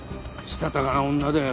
したたかな女だよ